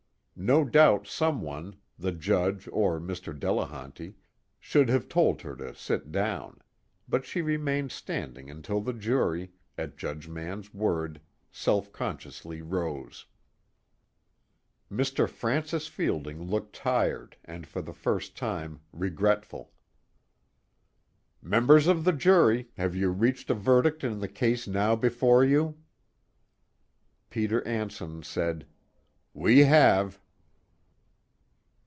No doubt someone, the Judge or Mr. Delehanty, should have told her to sit down; but she remained standing until the jury, at Judge Mann's word, self consciously rose. Mr. Francis Fielding looked tired and for the first time regretful. "Members of the jury, have you reached a verdict in the case now before you?" Peter Anson said: "We have."